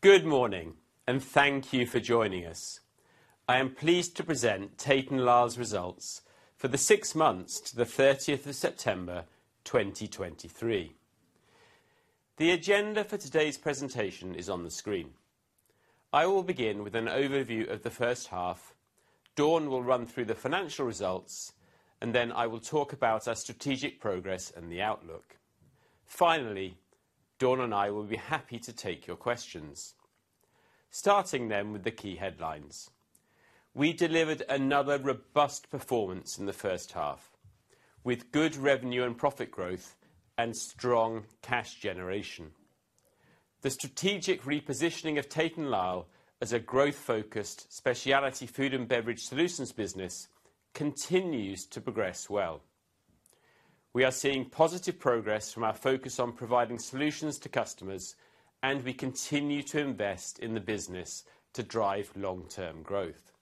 Good morning, and thank you for joining us. I am pleased to present Tate & Lyle's results for the six months to the 30th of September 2023. The agenda for today's presentation is on the screen. I will begin with an overview of the first half. Dawn will run through the financial results, and then I will talk about our strategic progress and the outlook. Finally, Dawn and I will be happy to take your questions. Starting then with the key headlines. We delivered another robust performance in the first half, with good revenue and profit growth and strong cash generation. The strategic repositioning of Tate & Lyle as a growth-focused specialty food and beverage Solutions business continues to progress well. We are seeing positive progress from our focus on providing Solutions to customers, and we continue to invest in the business to drive long-term growth.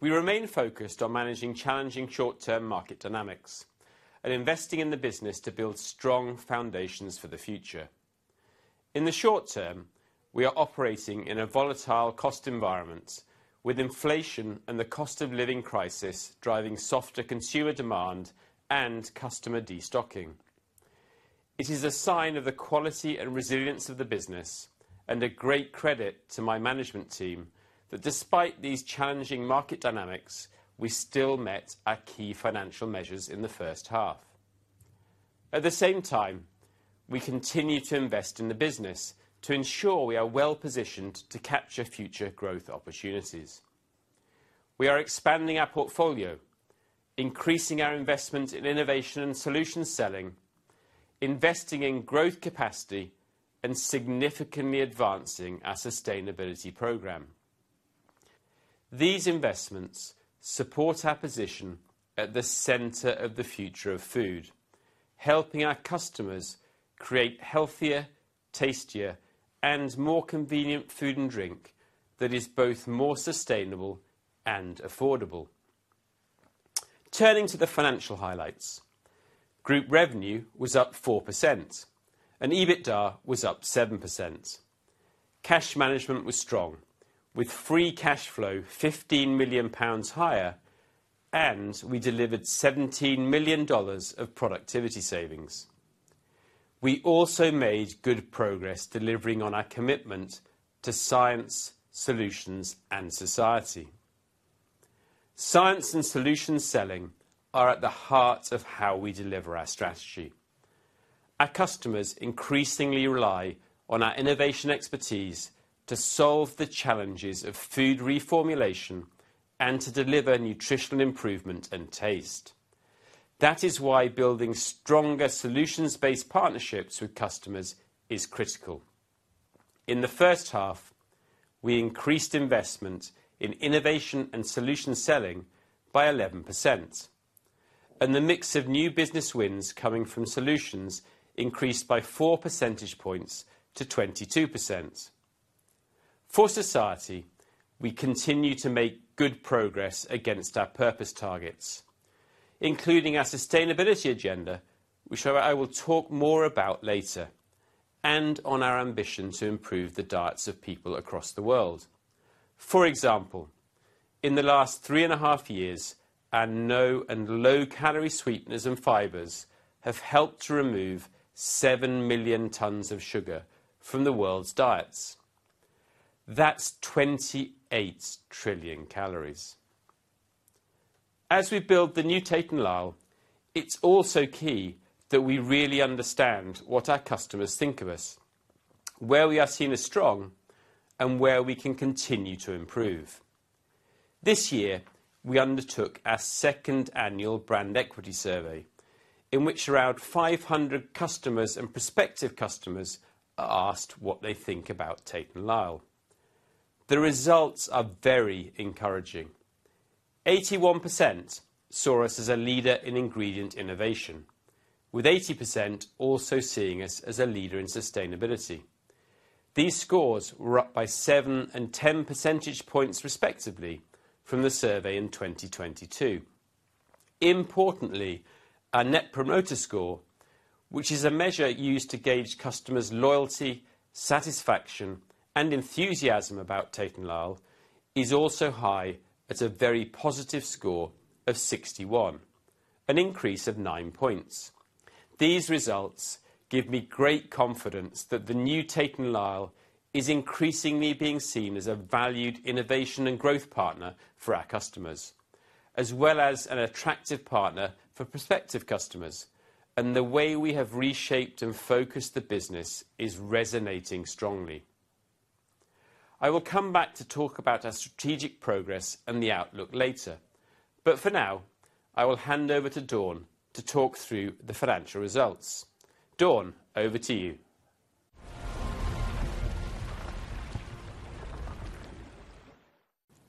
We remain focused on managing challenging short-term market dynamics and investing in the business to build strong foundations for the future. In the short term, we are operating in a volatile cost environment, with inflation and the cost of living crisis driving softer consumer demand and customer destocking. It is a sign of the quality and resilience of the business and a great credit to my management team that despite these challenging market dynamics, we still met our key financial measures in the first half. At the same time, we continue to invest in the business to ensure we are well positioned to capture future growth opportunities. We are expanding our portfolio, increasing our investment in innovation and solution selling, investing in growth capacity, and significantly advancing our sustainability program. These investments support our position at the center of the future of food, helping our customers create healthier, tastier, and more convenient food and drink that is both more sustainable and affordable. Turning to the financial highlights, group revenue was up 4%, and EBITDA was up 7%. Cash management was strong, with free cash flow 15 million pounds higher, and we delivered $17 million of productivity savings. We also made good progress delivering on our commitment to Science, Solutions, and Society. Science and Solutions selling are at the heart of how we deliver our strategy. Our customers increasingly rely on our innovation expertise to solve the challenges of food reformulation and to deliver nutritional improvement and taste. That is why building stronger Solutions-based partnerships with customers is critical. In the first half, we increased investment in Innovation and Solutions selling by 11%, and the mix of new business wins coming from Solutions increased by four percentage points to 22%. For Society, we continue to make good progress against our purpose targets, including our sustainability agenda, which I will talk more about later, and on our ambition to improve the diets of people across the world. For example, in the last 3.5 years, our no and low-calorie sweeteners and fibers have helped to remove 7 million tons of sugar from the world's diets. That's 28 trillion calories. As we build the new Tate & Lyle, it's also key that we really understand what our customers think of us, where we are seen as strong, and where we can continue to improve. This year, we undertook our second annual brand equity survey, in which around 500 customers and prospective customers are asked what they think about Tate & Lyle. The results are very encouraging. 81% saw us as a leader in ingredient innovation, with 80% also seeing us as a leader in sustainability. These scores were up by seven and 10 percentage points, respectively, from the survey in 2022. Importantly, our Net Promoter Score, which is a measure used to gauge customers' loyalty, satisfaction, and enthusiasm about Tate & Lyle, is also high at a very positive score of 61, an increase of nine points. These results give me great confidence that the new Tate & Lyle is increasingly being seen as a valued innovation and growth partner for our customers, as well as an attractive partner for prospective customers, and the way we have reshaped and focused the business is resonating strongly. I will come back to talk about our strategic progress and the outlook later, but for now, I will hand over to Dawn to talk through the financial results. Dawn, over to you.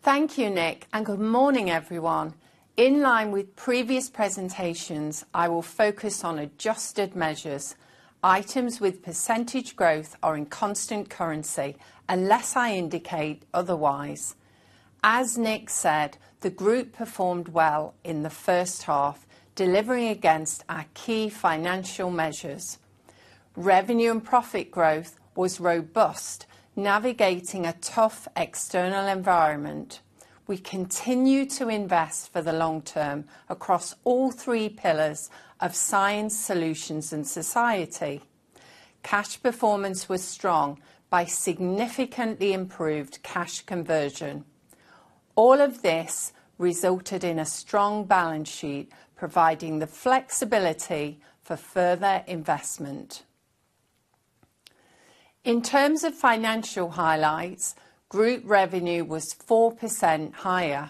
Thank you, Nick, and good morning, everyone. In line with previous presentations, I will focus on adjusted measures. Items with percentage growth are in constant currency, unless I indicate otherwise. As Nick said, the group performed well in the first half, delivering against our key financial measures. Revenue and profit growth was robust, navigating a tough external environment. We continue to invest for the long term across all three pillars of Science, Solutions, and Society. Cash performance was strong by significantly improved cash conversion. All of this resulted in a strong balance sheet, providing the flexibility for further investment. In terms of financial highlights, group revenue was 4% higher.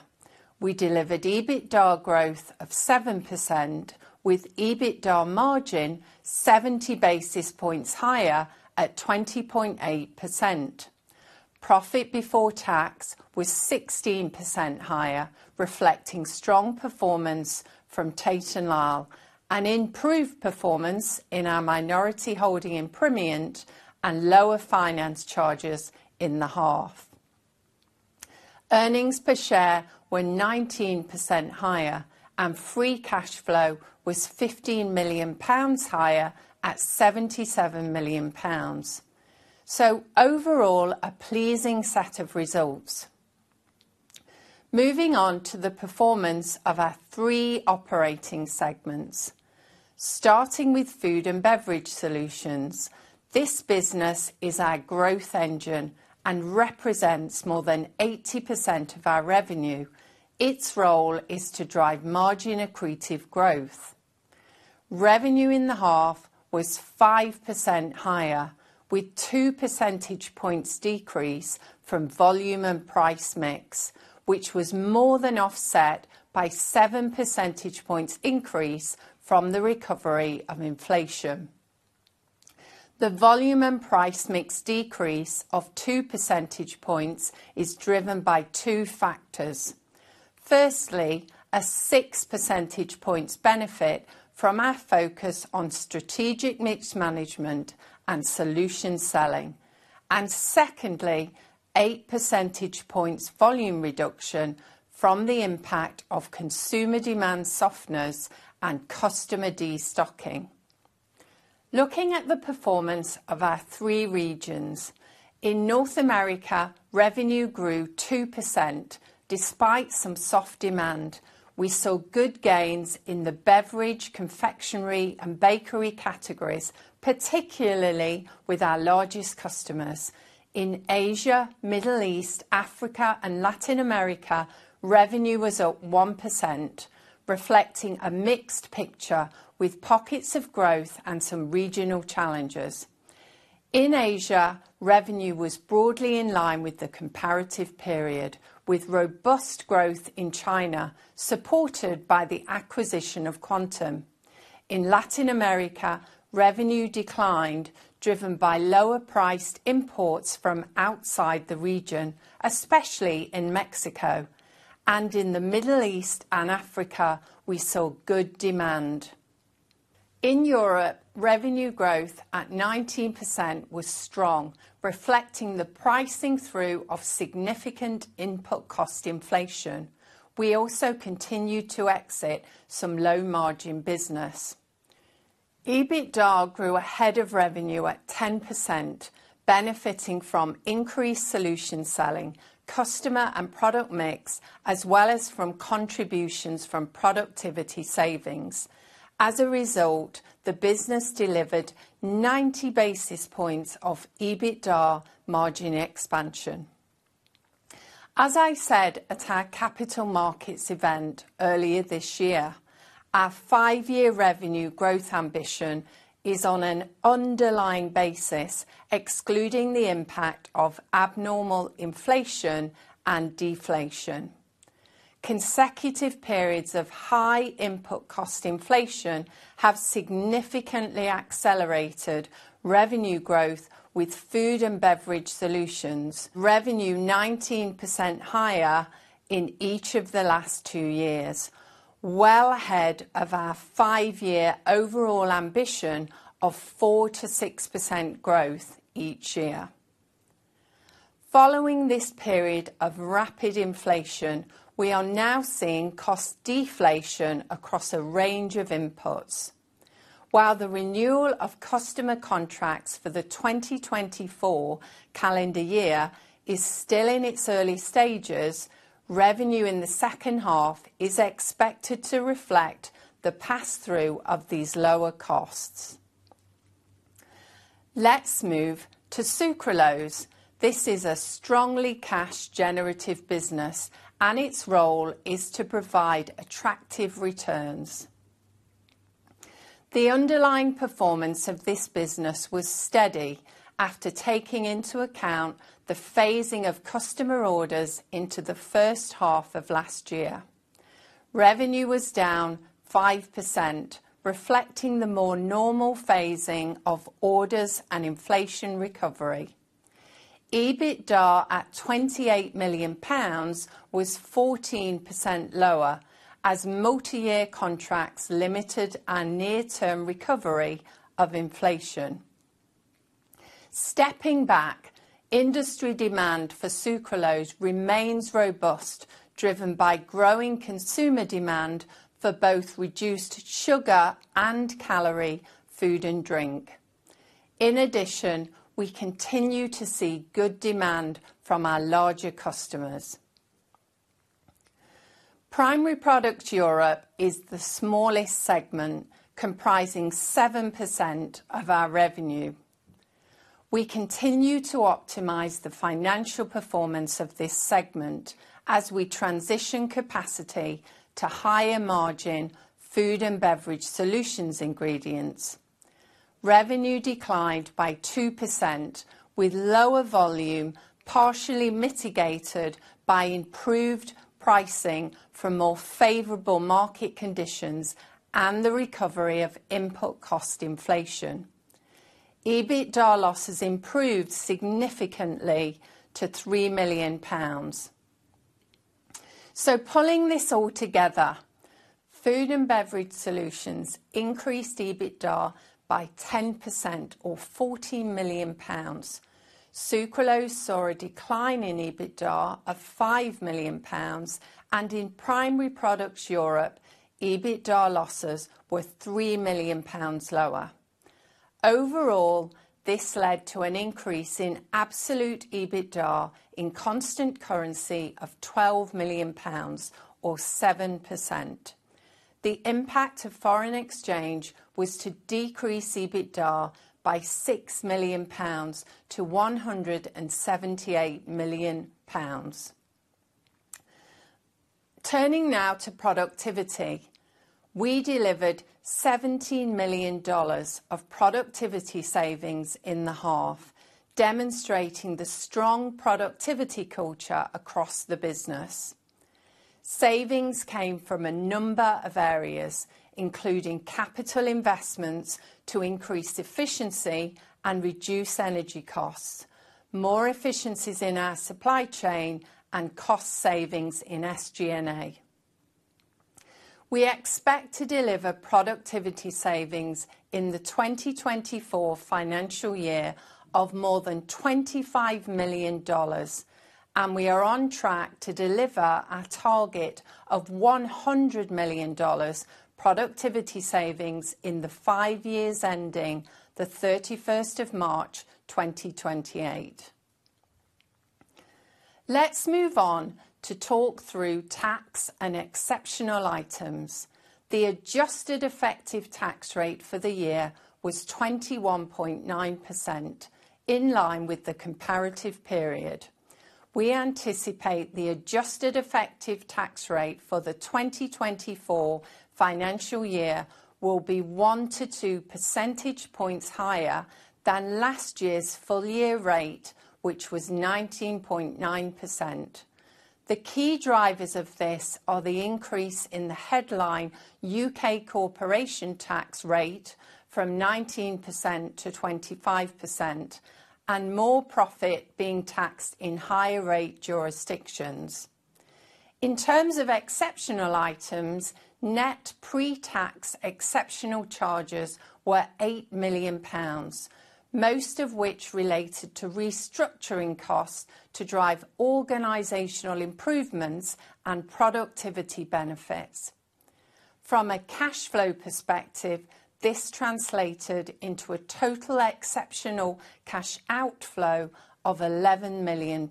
We delivered EBITDA growth of 7%, with EBITDA margin 70 basis points higher at 20.8%. Profit before tax was 16% higher, reflecting strong performance from Tate & Lyle, and improved performance in our minority holding in Primient, and lower finance charges in the half. Earnings per share were 19% higher, and free cash flow was 15 million pounds higher at 77 million pounds. So overall, a pleasing set of results. Moving on to the performance of our three operating segments. Starting with Food and Beverage Solutions, this business is our growth engine and represents more than 80% of our revenue. Its role is to drive margin-accretive growth. Revenue in the half was 5% higher, with two percentage points decrease from volume and price mix, which was more than offset by seven percentage points increase from the recovery of inflation. The volume and price mix decrease of two percentage points is driven by two factors. Firstly, a six percentage points benefit from our focus on strategic mix management and solution selling. And secondly, eight percentage points volume reduction from the impact of consumer demand softness and customer destocking. Looking at the performance of our three regions, in North America, revenue grew 2% despite some soft demand. We saw good gains in the beverage, confectionery, and bakery categories, particularly with our largest customers. In Asia, Middle East, Africa, and Latin America, revenue was up 1%, reflecting a mixed picture with pockets of growth and some regional challenges. In Asia, revenue was broadly in line with the comparative period, with robust growth in China, supported by the acquisition of Quantum. In Latin America, revenue declined driven by lower priced imports from outside the region, especially in Mexico. In the Middle East and Africa, we saw good demand. In Europe, revenue growth at 19% was strong, reflecting the pricing through of significant input cost inflation. We also continued to exit some low-margin business. EBITDA grew ahead of revenue at 10%, benefiting from increased solution selling, customer and product mix, as well as from contributions from productivity savings. As a result, the business delivered 90 basis points of EBITDA margin expansion. As I said at our capital markets event earlier this year, our five-year revenue growth ambition is on an underlying basis, excluding the impact of abnormal inflation and deflation. Consecutive periods of high input cost inflation have significantly accelerated revenue growth, with food and beverage Solutions revenue 19% higher in each of the last two years, well ahead of our five-year overall ambition of 4%-6% growth each year. Following this period of rapid inflation, we are now seeing cost deflation across a range of inputs. While the renewal of customer contracts for the 2024 calendar year is still in its early stages, revenue in the second half is expected to reflect the pass-through of these lower costs. Let's move to sucralose. This is a strongly cash-generative business, and its role is to provide attractive returns. The underlying performance of this business was steady after taking into account the phasing of customer orders into the first half of last year. Revenue was down 5%, reflecting the more normal phasing of orders and inflation recovery. EBITDA, at 28 million pounds, was 14% lower as multi-year contracts limited our near-term recovery of inflation. Stepping back, industry demand for sucralose remains robust, driven by growing consumer demand for both reduced sugar and calorie, food and drink. In addition, we continue to see good demand from our larger customers. Primary Products Europe is the smallest segment, comprising 7% of our revenue. We continue to optimize the financial performance of this segment as we transition capacity to higher margin Food and Beverage Solutions ingredients. Revenue declined by 2%, with lower volume partially mitigated by improved pricing from more favorable market conditions and the recovery of input cost inflation. EBITDA losses improved significantly to 3 million pounds. So pulling this all together, food and beverage Solutions increased EBITDA by 10% or 40 million pounds. Sucralose saw a decline in EBITDA of 5 million pounds, and in Primary Products Europe, EBITDA losses were 3 million pounds lower. Overall, this led to an increase in absolute EBITDA in constant currency of 12 million pounds or 7%. The impact of foreign exchange was to decrease EBITDA by 6 million pounds to 178 million pounds. Turning now to productivity. We delivered $17 million of productivity savings in the half, demonstrating the strong productivity culture across the business. Savings came from a number of areas, including capital investments to increase efficiency and reduce energy costs, more efficiencies in our supply chain, and cost savings in SG&A. We expect to deliver productivity savings in the 2024 financial year of more than $25 million, and we are on track to deliver our target of $100 million productivity savings in the five years ending the 31st of March 2028. Let's move on to talk through tax and exceptional items. The adjusted effective tax rate for the year was 21.9%, in line with the comparative period. We anticipate the adjusted effective tax rate for the 2024 financial year will be one to two percentage points higher than last year's full year rate, which was 19.9%. The key drivers of this are the increase in the headline U.K. corporation tax rate from 19% to 25%, and more profit being taxed in higher rate jurisdictions. In terms of exceptional items, net pre-tax exceptional charges were 8 million pounds, most of which related to restructuring costs to drive organizational improvements and productivity benefits. From a cash flow perspective, this translated into a total exceptional cash outflow of GBP 11 million.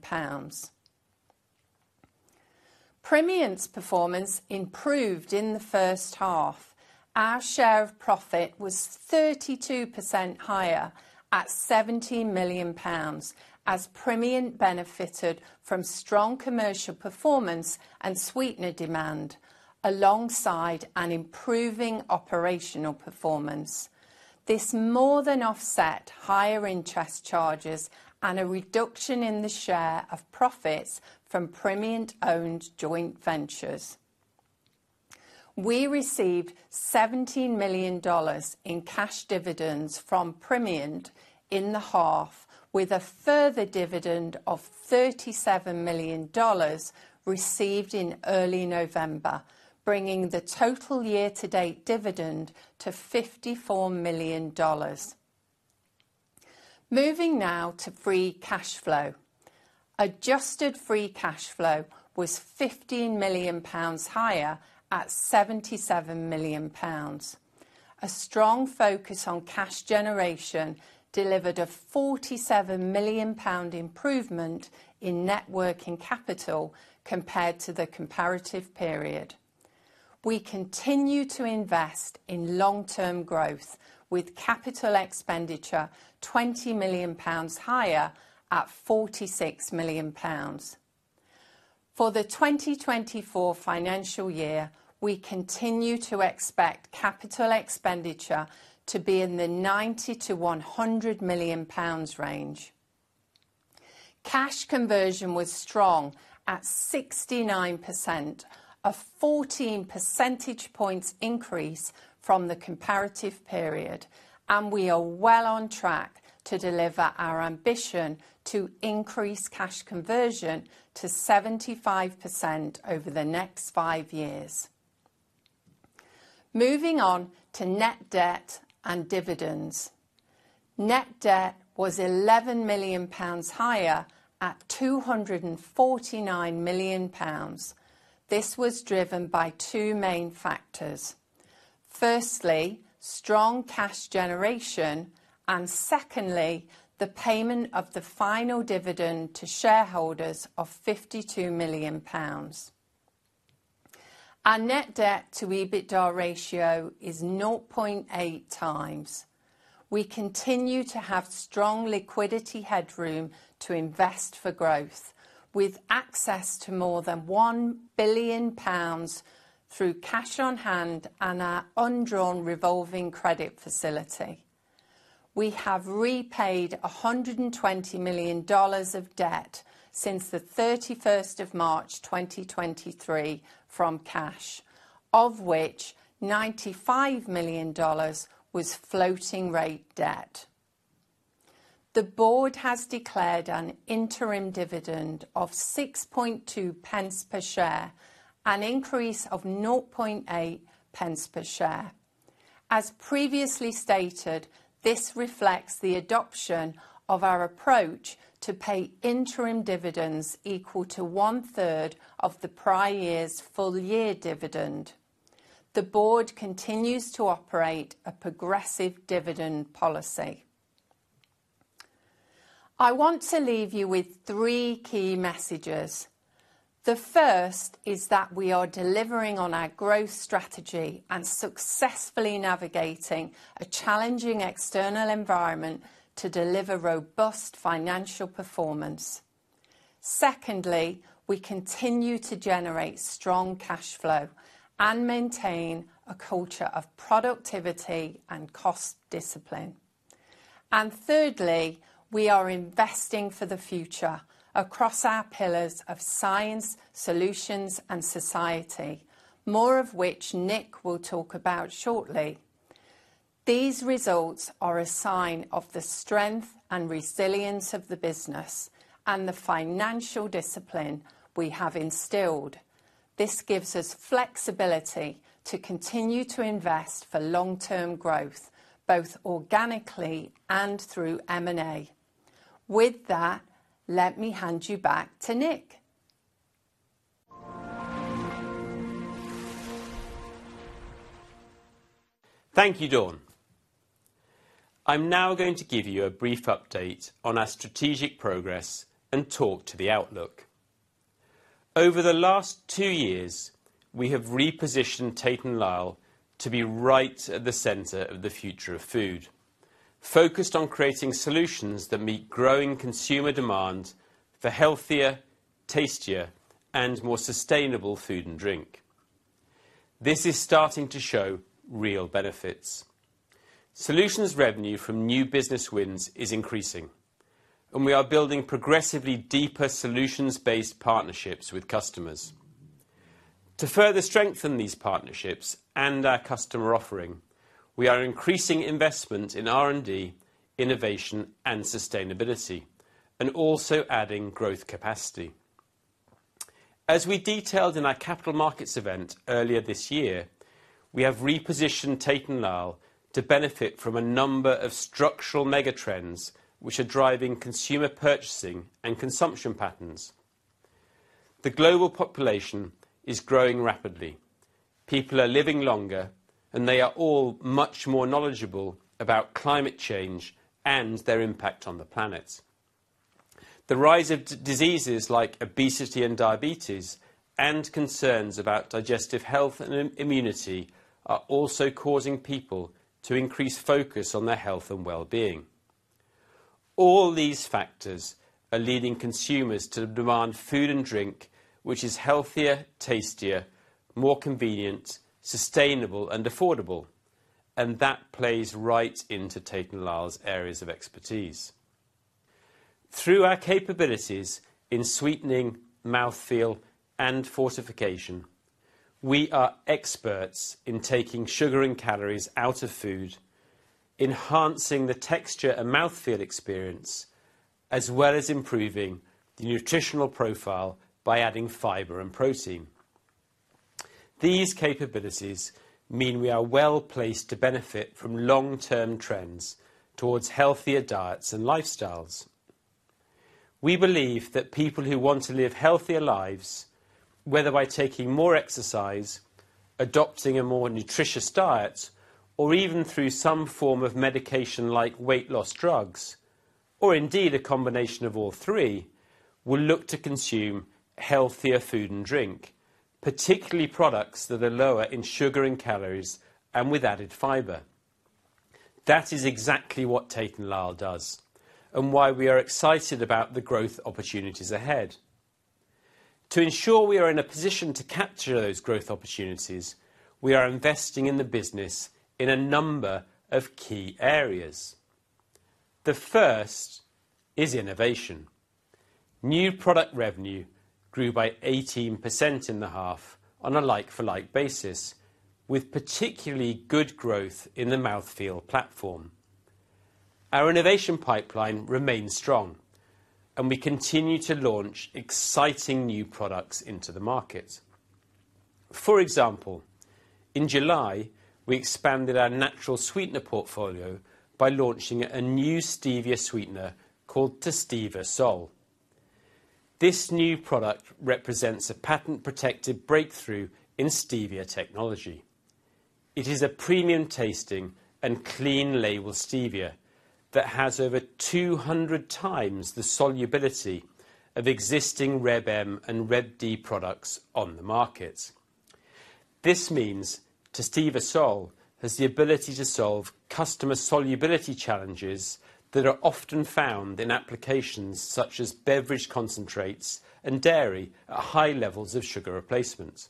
Primient's performance improved in the first half. Our share of profit was 32% higher at 70 million pounds, as Primient benefited from strong commercial performance and sweetener demand, alongside an improving operational performance. This more than offset higher interest charges and a reduction in the share of profits from Primient-owned joint ventures. We received $70 million in cash dividends from Primient in the half, with a further dividend of $37 million received in early November, bringing the total year-to-date dividend to $54 million. Moving now to free cash flow. Adjusted free cash flow was 15 million pounds higher at 77 million pounds. A strong focus on cash generation delivered a 47 million pound improvement in net working capital compared to the comparative period. We continue to invest in long-term growth, with capital expenditure 20 million pounds higher at 46 million pounds. For the 2024 financial year, we continue to expect capital expenditure to be in the 90 million-100 million pounds range. Cash conversion was strong at 69%, a 14 percentage points increase from the comparative period, and we are well on track to deliver our ambition to increase cash conversion to 75% over the next five years. Moving on to net debt and dividends. Net debt was 11 million pounds higher at 249 million pounds. This was driven by two main factors. Firstly, strong cash generation, and secondly, the payment of the final dividend to shareholders of 52 million pounds. Our net debt to EBITDA ratio is 0.8x. We continue to have strong liquidity headroom to invest for growth, with access to more than 1 billion pounds through cash on-hand and our undrawn revolving credit facility. We have repaid $120 million of debt since the 31st of March 2023, from cash, of which $95 million was floating rate debt. The board has declared an interim dividend of 0.062 per share, an increase of 0.008 per share. As previously stated, this reflects the adoption of our approach to pay interim dividends equal to 1/3 of the prior year's full year dividend. The board continues to operate a progressive dividend policy. I want to leave you with three key messages. The first is that we are delivering on our growth strategy and successfully navigating a challenging external environment to deliver robust financial performance. Secondly, we continue to generate strong cash flow and maintain a culture of productivity and cost discipline. Thirdly, we are investing for the future across our pillars of Science, Solutions, and Society, more of which Nick will talk about shortly. These results are a sign of the strength and resilience of the business and the financial discipline we have instilled. This gives us flexibility to continue to invest for long-term growth, both organically and through M&A. With that, let me hand you back to Nick. Thank you, Dawn. I'm now going to give you a brief update on our strategic progress and talk to the outlook. Over the last two years, we have repositioned Tate & Lyle to be right at the center of the future of food, focused on creating solutions that meet growing consumer demand for healthier, tastier, and more sustainable food and drink. This is starting to show real benefits. Solutions revenue from new business wins is increasing, and we are building progressively deeper solutions-based partnerships with customers. To further strengthen these partnerships and our customer offering, we are increasing investment in R&D, innovation, and sustainability, and also adding growth capacity. As we detailed in our capital markets event earlier this year, we have repositioned Tate & Lyle to benefit from a number of structural mega trends, which are driving consumer purchasing and consumption patterns. The global population is growing rapidly. People are living longer, and they are all much more knowledgeable about climate change and their impact on the planet. The rise of diseases like obesity and diabetes, and concerns about digestive health and immunity, are also causing people to increase focus on their health and well-being. All these factors are leading consumers to demand food and drink, which is healthier, tastier, more convenient, sustainable, and affordable, and that plays right into Tate & Lyle's areas of expertise. Through our capabilities in sweetening, mouthfeel, and fortification, we are experts in taking sugar and calories out of food, enhancing the texture and mouthfeel experience, as well as improving the nutritional profile by adding fiber and protein. These capabilities mean we are well-placed to benefit from long-term trends towards healthier diets and lifestyles. We believe that people who want to live healthier lives, whether by taking more exercise, adopting a more nutritious diet, or even through some form of medication like weight loss drugs, or indeed, a combination of all three, will look to consume healthier food and drink, particularly products that are lower in sugar and calories and with added fiber. That is exactly what Tate & Lyle does and why we are excited about the growth opportunities ahead. To ensure we are in a position to capture those growth opportunities, we are investing in the business in a number of key areas. The first is innovation. New product revenue grew by 18% in the half on a like for like basis, with particularly good growth in the mouthfeel platform. Our innovation pipeline remains strong, and we continue to launch exciting new products into the market. For example, in July, we expanded our natural sweetener portfolio by launching a new stevia sweetener called TASTEVA SOL. This new product represents a patent-protected breakthrough in stevia technology. It is a premium tasting and clean label stevia that has over 200x the solubility of existing Reb M and Reb D products on the market. This means TASTEVA SOL has the ability to solve customer solubility challenges that are often found in applications such as beverage concentrates and dairy at high levels of sugar replacements.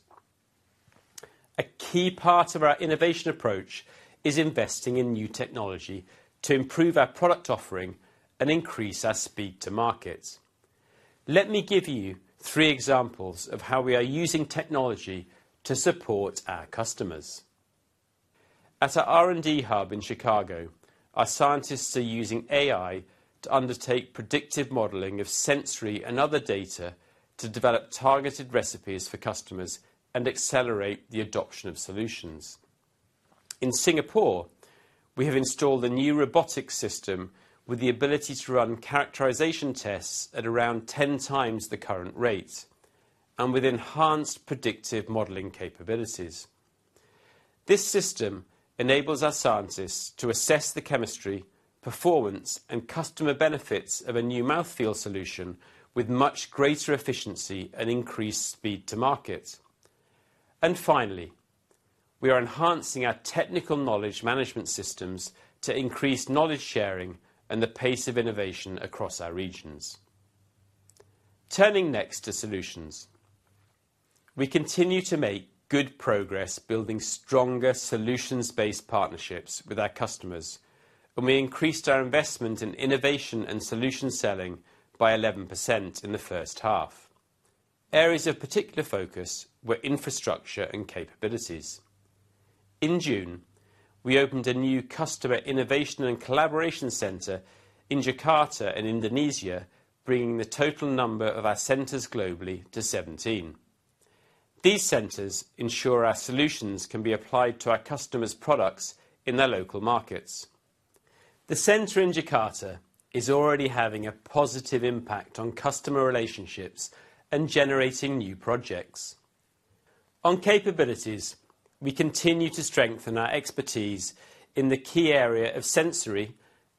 A key part of our innovation approach is investing in new technology to improve our product offering and increase our speed to market. Let me give you three examples of how we are using technology to support our customers. At our R&D hub in Chicago, our scientists are using AI to undertake predictive modeling of sensory and other data to develop targeted recipes for customers and accelerate the adoption solutions. In Singapore, we have installed a new robotic system with the ability to run characterization tests at around 10x the current rate and with enhanced predictive modeling capabilities. This system enables our scientists to assess the chemistry, performance, and customer benefits of a new mouthfeel solution with much greater efficiency and increased speed to market. And finally, we are enhancing our technical knowledge management systems to increase knowledge sharing and the pace of innovation across our regions. Turning next to solutions. We continue to make good progress building stronger solutions-based partnerships with our customers, and we increased our investment in innovation and solution selling by 11% in the first half. Areas of particular focus were infrastructure and capabilities. In June, we opened a new customer innovation and collaboration center in Jakarta, Indonesia, bringing the total number of our centers globally to 17. These centers ensure our solutions can be applied to our customers' products in their local markets. The center in Jakarta is already having a positive impact on customer relationships and generating new projects. On capabilities, we continue to strengthen our expertise in the key area of sensory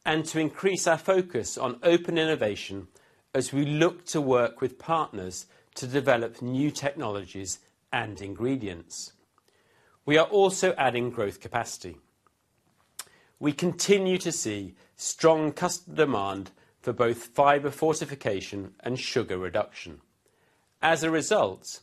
and to increase our focus on open innovation as we look to work with partners to develop new technologies and ingredients. We are also adding growth capacity. We continue to see strong customer demand for both fiber fortification and sugar reduction. As a result,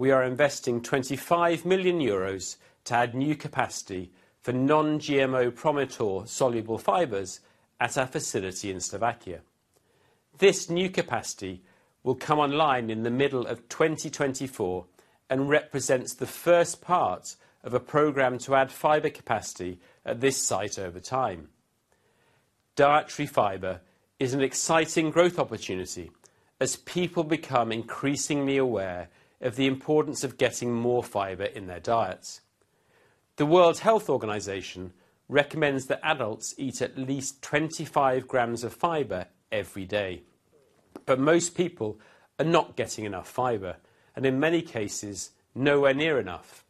we are investing 25 million euros to add new capacity for non-GMO PROMITOR soluble fibers at our facility in Slovakia. This new capacity will come online in the middle of 2024 and represents the first part of a program to add fiber capacity at this site over time. Dietary fiber is an exciting growth opportunity as people become increasingly aware of the importance of getting more fiber in their diets. The World Health Organization recommends that adults eat at least 25 grams of fiber every day, but most people are not getting enough fiber, and in many cases, nowhere near enough.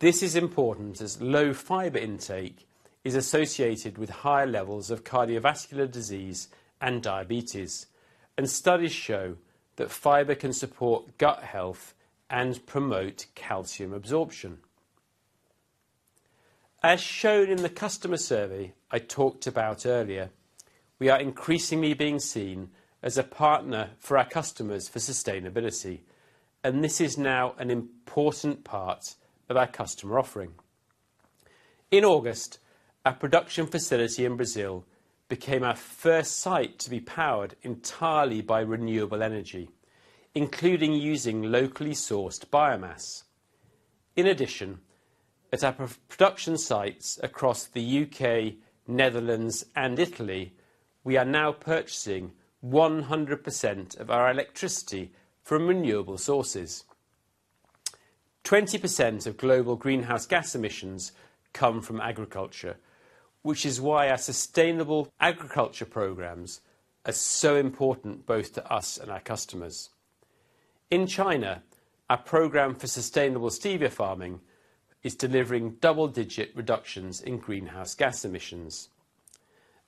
This is important, as low fiber intake is associated with higher levels of cardiovascular disease and diabetes, and studies show that fiber can support gut health and promote calcium absorption. As shown in the customer survey I talked about earlier, we are increasingly being seen as a partner for our customers for sustainability, and this is now an important part of our customer offering. In August, our production facility in Brazil became our first site to be powered entirely by renewable energy, including using locally sourced biomass. In addition, at our production sites across the U.K., Netherlands, and Italy, we are now purchasing 100% of our electricity from renewable sources. 20% of global greenhouse gas emissions come from agriculture, which is why our sustainable agriculture programs are so important, both to us and our customers. In China, our program for sustainable stevia farming is delivering double-digit reductions in greenhouse gas emissions.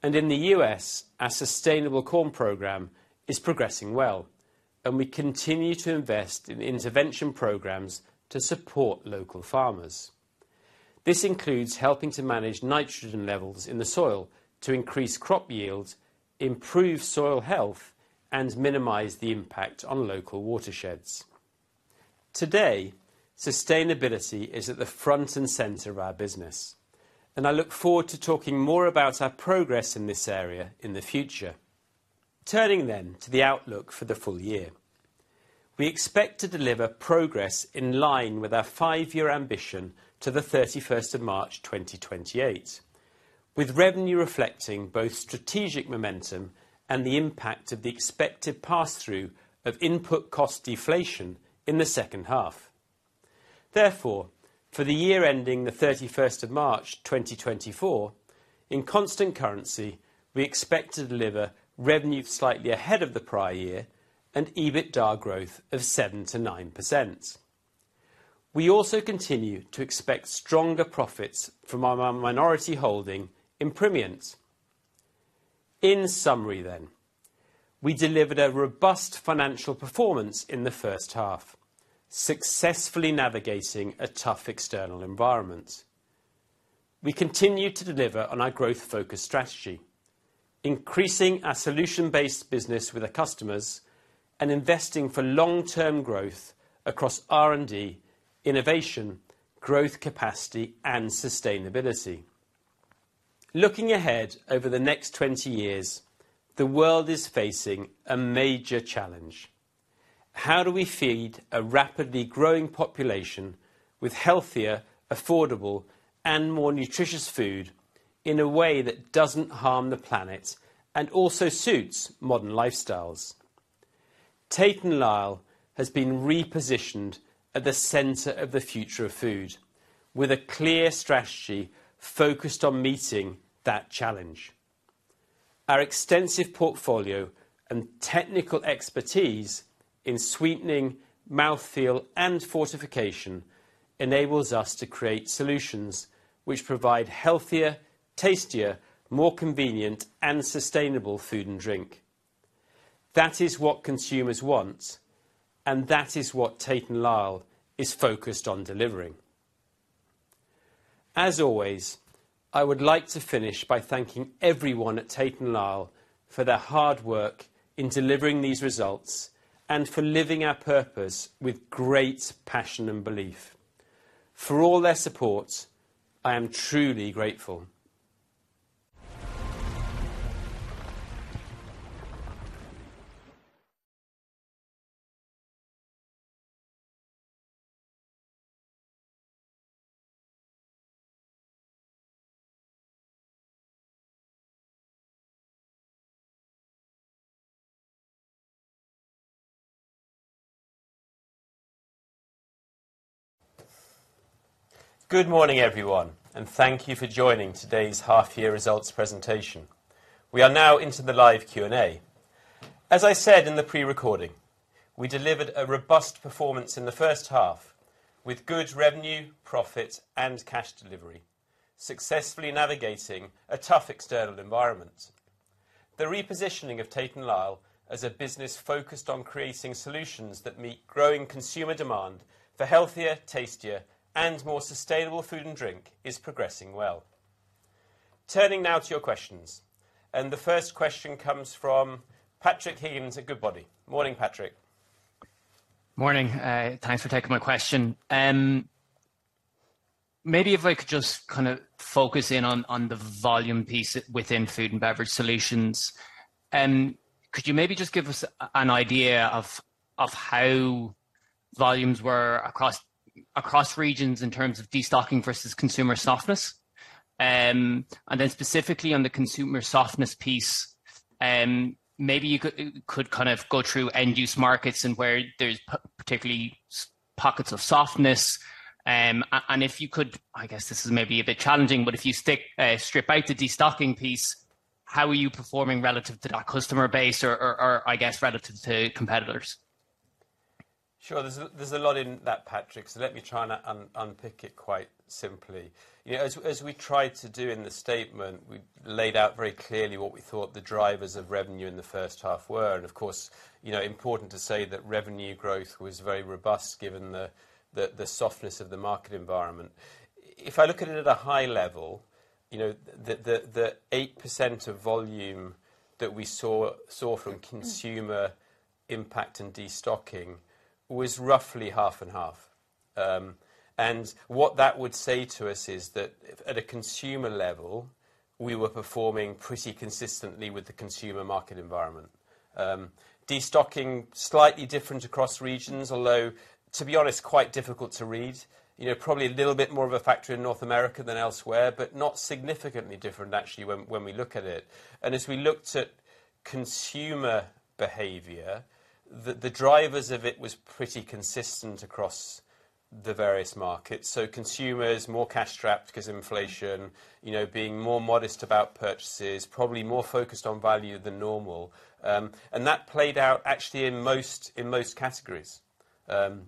In the U.S., our sustainable corn program is progressing well, and we continue to invest in intervention programs to support local farmers. This includes helping to manage nitrogen levels in the soil to increase crop yields, improve soil health, and minimize the impact on local watersheds. Today, sustainability is at the front and center of our business, and I look forward to talking more about our progress in this area in the future. Turning then to the outlook for the full year. We expect to deliver progress in line with our five-year ambition to the 31st of March, 2028, with revenue reflecting both strategic momentum and the impact of the expected pass-through of input cost deflation in the second half. Therefore, for the year ending the 31st of March, 2024, in constant currency, we expect to deliver revenue slightly ahead of the prior year and EBITDA growth of 7%-9%. We also continue to expect stronger profits from our minority holding in Primient. In summary then, we delivered a robust financial performance in the first half, successfully navigating a tough external environment. We continue to deliver on our growth-focused strategy, increasing our solution-based business with our customers and investing for long-term growth across R&D, innovation, growth capacity, and sustainability. Looking ahead, over the next 20 years, the world is facing a major challenge: How do we feed a rapidly growing population with healthier, affordable, and more nutritious food in a way that doesn't harm the planet and also suits modern lifestyles? Tate & Lyle has been repositioned at the center of the future of food, with a clear strategy focused on meeting that challenge. Our extensive portfolio and technical expertise in sweetening, mouthfeel, and fortification enables us to create solutions which provide healthier, tastier, more convenient, and sustainable food and drink. That is what consumers want, and that is what Tate & Lyle is focused on delivering. As always, I would like to finish by thanking everyone at Tate & Lyle for their hard work in delivering these results and for living our purpose with great passion and belief. For all their support, I am truly grateful. Good morning, everyone, and thank you for joining today's half year results presentation. We are now into the live Q&A. As I said in the pre-recording, we delivered a robust performance in the first half, with good revenue, profit, and cash delivery, successfully navigating a tough external environment. The repositioning of Tate & Lyle as a business focused on creating solutions that meet growing consumer demand for healthier, tastier, and more sustainable food and drink, is progressing well. Turning now to your questions, and the first question comes from Patrick Higgins at Goodbody. Morning, Patrick. Morning. Thanks for taking my question. Maybe if I could just kind of focus in on the volume piece within Food and Beverage Solutions. Could you maybe just give us an idea of how volumes were across regions in terms of destocking versus consumer softness? And then specifically on the consumer softness piece, maybe you could kind of go through end-use markets and where there's particularly pockets of softness. If you could, I guess this is maybe a bit challenging, but if you strip out the destocking piece, how are you performing relative to that customer base or I guess, relative to competitors? Sure. There's a lot in that, Patrick, so let me try and unpick it quite simply. You know, as we tried to do in the statement, we laid out very clearly what we thought the drivers of revenue in the first half were. And of course, you know, important to say that revenue growth was very robust, given the softness of the market environment. If I look at it at a high level, you know, the 8% of volume that we saw from consumer impact and destocking was roughly half and half. And what that would say to us is that at a consumer level, we were performing pretty consistently with the consumer market environment. Destocking, slightly different across regions, although, to be honest, quite difficult to read. You know, probably a little bit more of a factor in North America than elsewhere, but not significantly different, actually, when we look at it and as we looked at consumer behavior, the drivers of it was pretty consistent across the various markets. So, consumers, more cash-strapped because of inflation, you know, being more modest about purchases, probably more focused on value than normal and that played out actually on most categories, and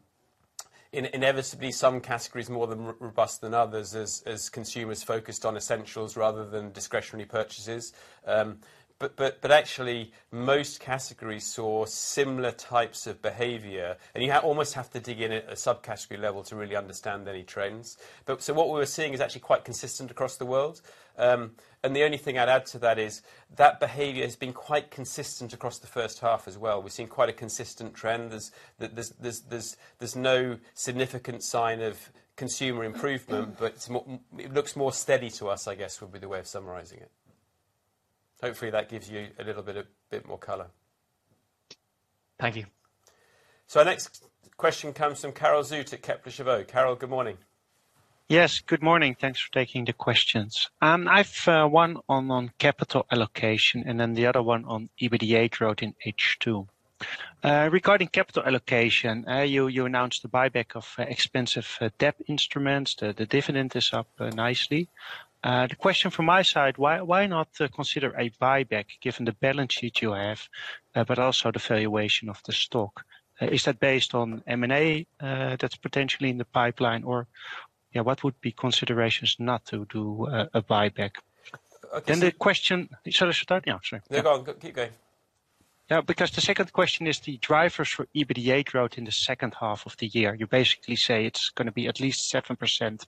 there can be some categories are more robust than others as consumers focused on essentials rather than discretionary purchases but actually, most categories saw similar types of behavior, and you almost have to dig in at a subcategory level to really understand any trends. But so, what we were seeing is actually quite consistent across the world. And the only thing I'd add to that is, that behavior has been quite consistent across the first half as well. We've seen quite a consistent trend. There's no significant sign of consumer improvement, but it looks more steady to us, I guess, would be the way of summarizing it. Hopefully, that gives you a little bit more color. Thank you. Our next question comes from Karel Zoete at Kepler Cheuvreux. Karel, good morning. Yes, good morning. Thanks for taking the questions. I've one on capital allocation, and then the other one on EBITDA growth in H2. Regarding capital allocation, you announced the buyback of expensive debt instruments. The dividend is up nicely. The question from my side, why not consider a buyback, given the balance sheet you have, but also the valuation of the stock? Is that based on M&A that's potentially in the pipeline? Or, yeah, what would be considerations not to do a buyback? Okay, so- And the question- shall I start now? Sorry. No, go on. Keep going. Yeah, because the second question is the drivers for EBITDA growth in the second half of the year. You basically say it's going to be at least 7%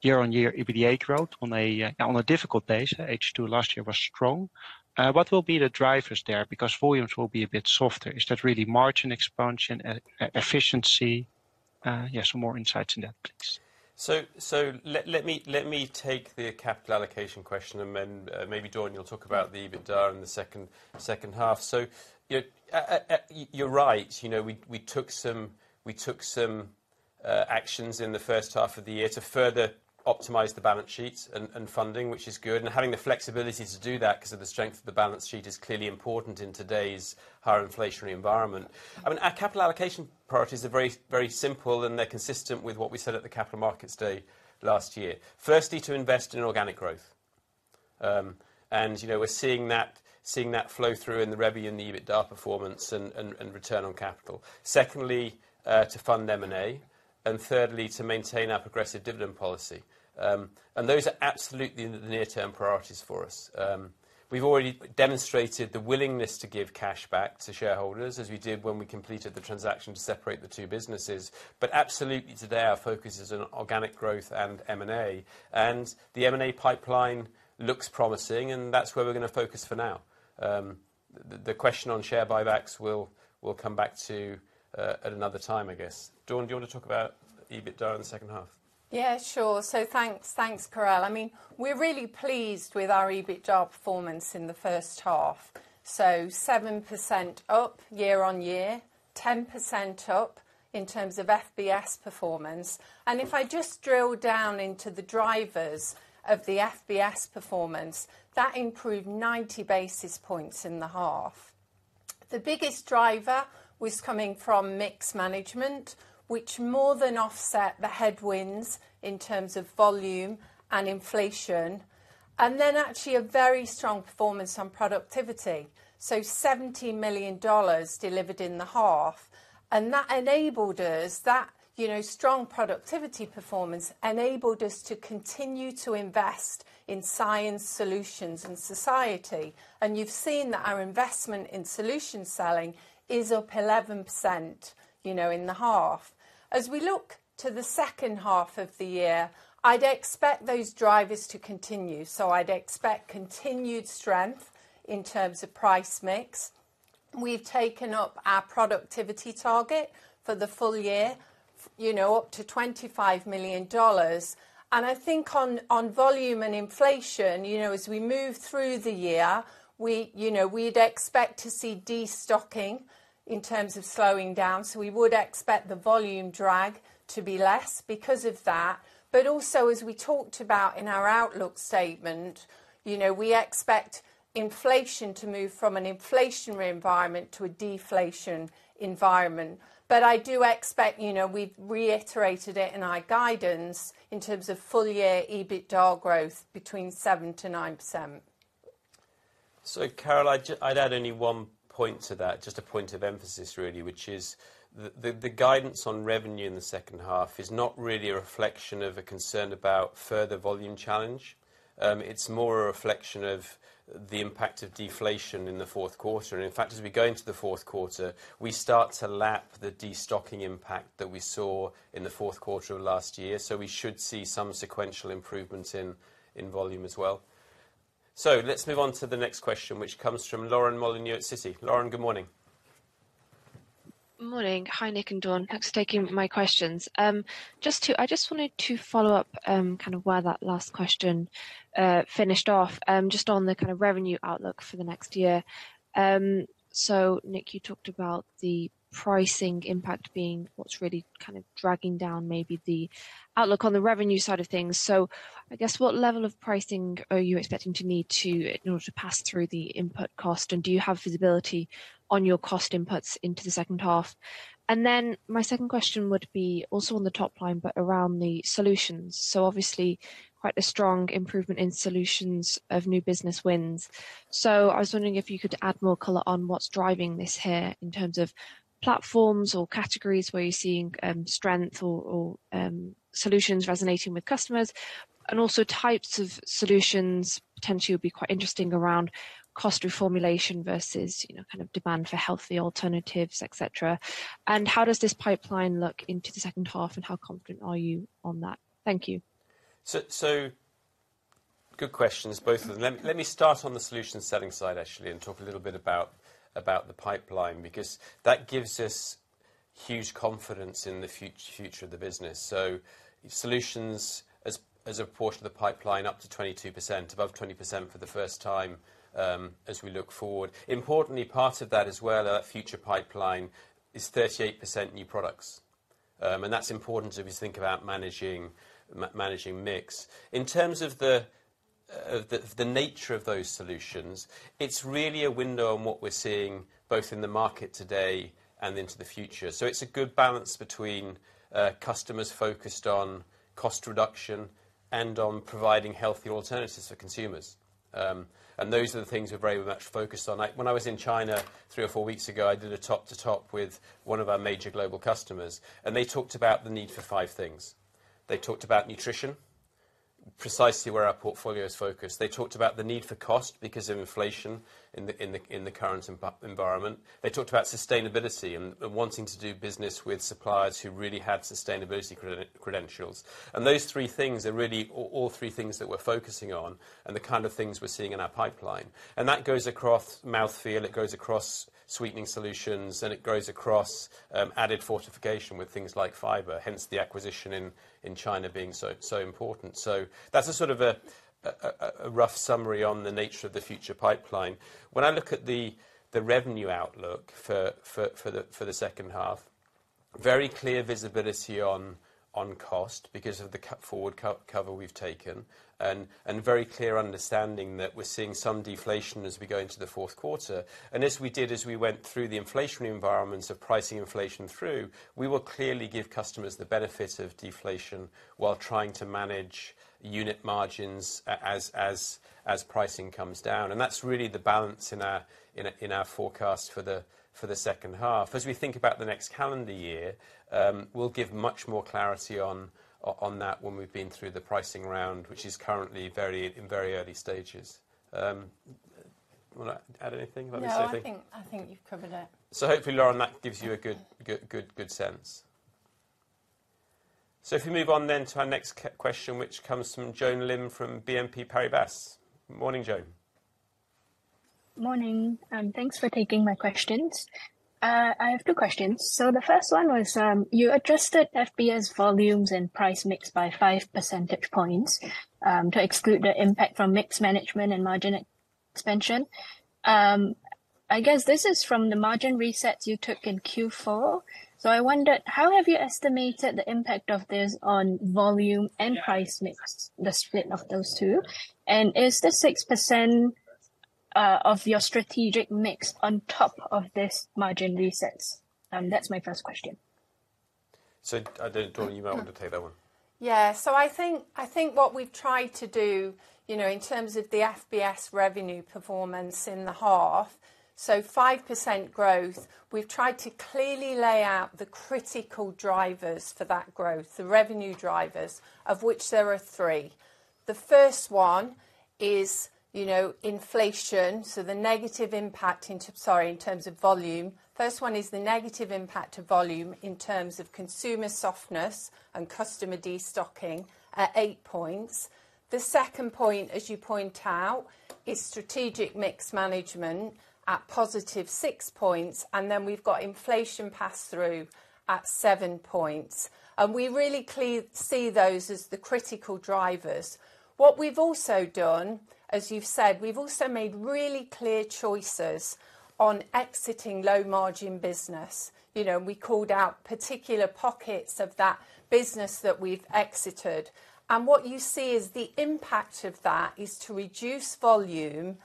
year-on-year EBITDA growth on a difficult base. H2 last year was strong. What will be the drivers there? Because volumes will be a bit softer. Is that really margin expansion and efficiency? Yes, more insights on that, please. So let me take the capital allocation question, and then maybe Dawn, you'll talk about the EBITDA in the second half. So, you're right. You know, we took some actions in the first half of the year to further optimize the balance sheet and funding, which is good. And having the flexibility to do that, because of the strength of the balance sheet, is clearly important in today's higher inflationary environment. I mean, our capital allocation priorities are very, very simple, and they're consistent with what we said at the Capital Markets Day last year. Firstly, to invest in organic growth. And, you know, we're seeing that flow through in the revenue and the EBITDA performance and return on capital. Secondly, to fund M&A, and thirdly, to maintain our progressive dividend policy. And those are absolutely the near-term priorities for us. We've already demonstrated the willingness to give cash back to shareholders, as we did when we completed the transaction to separate the two businesses. But absolutely, today our focus is on organic growth and M&A and the M&A pipeline looks promising, and that's where we're going to focus for now. The question on share buybacks, we'll come back to at another time, I guess. Dawn, do you want to talk about EBITDA in the second half? Yeah, sure. So thanks, thanks, Karel. I mean, we're really pleased with our EBITDA performance in the first half. So 7% up year-on-year, 10% up in terms of FBS performance. And if I just drill down into the drivers of the FBS performance, that improved 90 basis points in the half. The biggest driver was coming from mix management, which more than offset the headwinds in terms of volume and inflation, and then actually a very strong performance on productivity, so $70 million delivered in the half. And that enabled us, that, you know, strong productivity performance enabled us to continue to invest in Science Solutions and Society, and you've seen that our investment in solution selling is up 11%, you know, in the half. As we look to the second half of the year, I'd expect those drivers to continue, so I'd expect continued strength in terms of price mix. We've taken up our productivity target for the full year, you know, up to $25 million. And I think on volume and inflation, you know, as we move through the year, we, you know, we'd expect to see destocking in terms of slowing down. So we would expect the volume drag to be less because of that. But also, as we talked about in our outlook statement, you know, we expect inflation to move from an inflationary environment to a deflation environment. But I do expect, you know, we've reiterated it in our guidance, in terms of full year EBITDA growth between 7%-9%. So Karel, I'd add only one point to that, just a point of emphasis, really, which is the guidance on revenue in the second half is not really a reflection of a concern about further volume challenge. It's more a reflection of the impact of deflation in the fourth quarter. And in fact, as we go into the fourth quarter, we start to lap the destocking impact that we saw in the fourth quarter of last year, so we should see some sequential improvements in volume as well. So let's move on to the next question, which comes from Lauren Molyneux at Citi. Lauren, good morning. Morning. Hi, Nick and Dawn. Thanks for taking my questions. Just to- I just wanted to follow up, kind of where that last question finished off, just on the kind of revenue outlook for the next year. So Nick, you talked about the pricing impact being what's really kind of dragging down maybe the outlook on the revenue side of things. So I guess, what level of pricing are you expecting to need to, in order to pass through the input cost? And do you have visibility on your cost inputs into the second half? And then, my second question would be, also on the top line, but around the solutions. So obviously, quite a strong improvement in solutions of new business wins. I was wondering if you could add more color on what's driving this here, in terms of platforms or categories, where you're seeing strength or solutions resonating with customers? And also, types of solutions potentially would be quite interesting around cost reformulation versus, you know, kind of demand for healthy alternatives, et cetera. and how does this pipeline look into the second half, and how confident are you on that? Thank you. So, good questions, both of them. Let me start on the solution selling side, actually, and talk a little bit about the pipeline, because that gives us huge confidence in the future of the business. So Solutions as a portion of the pipeline, up to 22%, above 20% for the first time, as we look forward. Importantly, part of that as well, our future pipeline, is 38% new products. That's important as we think about managing mix. In terms of the nature of those Solutions, it's really a window on what we're seeing both in the market today and into the future. So, it's a good balance between customers focused on cost reduction and on providing healthy alternatives for consumers and those are the things we're very much focused on. When I was in China three or four weeks ago, I did a top to top with one of our major global customers, and they talked about the need for five things. They talked about nutrition, precisely where our portfolio is focused. They talked about the need for cost because of inflation in the current environment. They talked about sustainability and wanting to do business with suppliers who really had sustainability credentials and those three things are really all three things that we're focusing on and the kind of things we're seeing in our pipeline. That goes across mouthfeel, it goes across sweetening solutions, and it goes across added fortification with things like fiber, hence the acquisition in China being so important. So that's a sort of a rough summary on the nature of the future pipeline. When I look at the revenue outlook for the second half, very clear visibility on cost because of the forward cover we've taken, and very clear understanding that we're seeing some deflation as we go into the fourth quarter. As we went through the inflationary environments of pricing inflation through, we will clearly give customers the benefit of deflation while trying to manage unit margins as pricing comes down. And that's really the balance in our forecast for the second half. As we think about the next calendar year, we'll give much more clarity on that when we've been through the pricing round, which is currently very, very early stages. Wanna add anything about this, Lauren? No, I think, I think you've covered it. So hopefully, Lauren, that gives you a good sense. So if we move on then to our next question, which comes from Joan Lim, from BNP Paribas. Morning, Joan. Morning, thanks for taking my questions. I have two questions. So, the first one was, you adjusted FBS volumes and price mix by five percentage points, to exclude the impact from mix management and margin expansion. I guess this is from the margin resets you took in Q4. So, I wondered, how have you estimated the impact of this on volume and price mix, the split of those two? And is the 6% of your strategic mix on top of this margin resets? That's my first question. So, Joan, do you want to take that one? Yeah. So, I think, I think what we've tried to do, you know, in terms of the FBS revenue performance in the half, so 5% growth, we've tried to clearly lay out the critical drivers for that growth, the revenue drivers, of which there are three. The first one is, you know, inflation. So, the negative impact into- sorry, in terms of volume. First one is the negative impact to volume in terms of consumer softness and customer destocking at eight points. The second point, as you point out, is strategic mix management at positive six points, and then we've got inflation pass-through at seven points and we really clearly see those as the critical drivers. What we've also done, as you've said, we've also made really clear choices on exiting low-margin business. You know, and we called out particular pockets of that business that we've exited. What you see is the impact of that is to reduce volume,